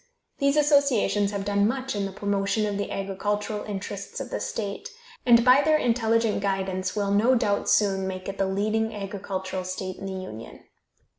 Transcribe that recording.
These associations have done much in the promotion of the agricultural interests of the state, and by their intelligent guidance will, no doubt, soon make it the leading agricultural state in the Union.